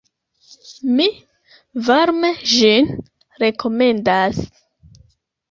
Mi varme ĝin rekomendas.